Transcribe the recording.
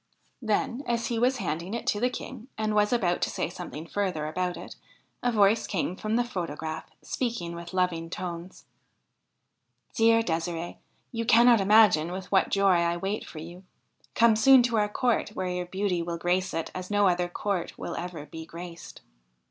Then, as he was handing it to the King, and was about to say something further about it, a voice came from the photograph, speaking with loving tones :' Dear De'sire'e, you cannot imagine with what joy I wait for you : come soon to our court, where your beauty will grace it as no other court will ever be graced.'